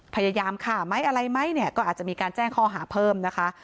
พยายามฆ่าไหมอะไรไหมเนี่ยก็อาจจะมีการแจ้งข้อหาเพิ่มนะคะ